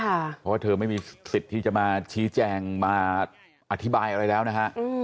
เพราะว่าเธอไม่มีสิทธิ์ที่จะมาชี้แจงมาอธิบายอะไรแล้วนะฮะ